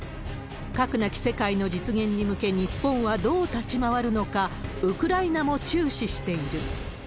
核なき世界の実現に向け、日本はどう立ち回るのか、ウクライナも注視している。